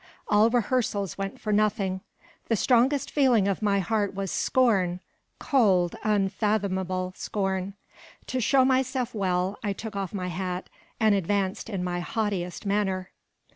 All rehearsals went for nothing: the strongest feeling of my heart was scorn, cold, unfathomable scorn. To show myself well, I took off my hat, and advanced in my haughtiest manner.